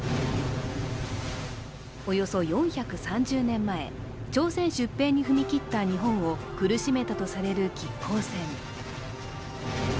およそ４３０年前、朝鮮出兵に踏み切った日本を苦しめたとされる亀甲船。